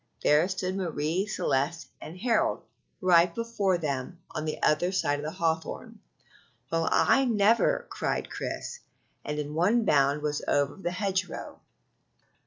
there stood Marie Celeste and Harold right before them on the other side of the hawthorn. "Well, I never!" cried Chris, and in one bound was over the hedgerow.